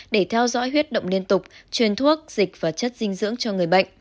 để theo dõi huyết động liên tục truyền thuốc dịch và chất dinh dưỡng cho người bệnh